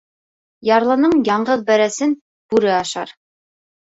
Ярлының яңғыҙ бәрәсен бүре ашар.